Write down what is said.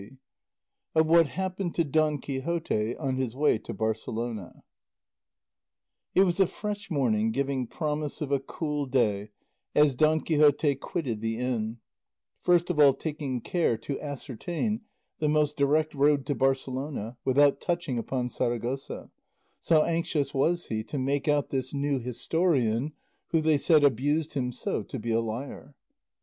OF WHAT HAPPENED DON QUIXOTE ON HIS WAY TO BARCELONA It was a fresh morning giving promise of a cool day as Don Quixote quitted the inn, first of all taking care to ascertain the most direct road to Barcelona without touching upon Saragossa; so anxious was he to make out this new historian, who they said abused him so, to be a liar.